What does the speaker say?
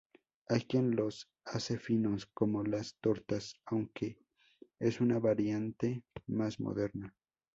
Hay quien los hace finos como las tortas, aunque es una variante más moderna.